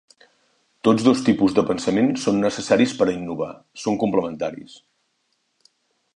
Tots dos tipus de pensament són necessaris per a innovar, són complementaris.